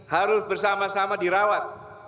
harus bersama sama dirawat